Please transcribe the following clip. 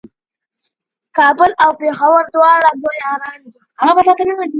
کابل او پېښور دواړه دوه یاران دي